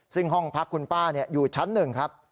ซึ่งห้องพักคุณป้าอยู่ชั้น๑ครับ